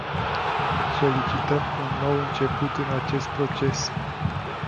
Solicităm un nou început în acest proces.